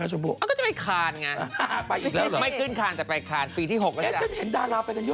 แค่ฉันเห็นดาราไปอยู่เยอะนี้ปีนี้เนอะ